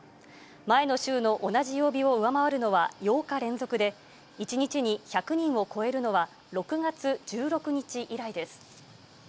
前の週の同じ曜日を上回るのは８日連続で、１日に１００人を超えるのは６月１６日以来です。